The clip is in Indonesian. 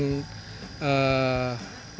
waktu itu kita ambilkan daun sisa lah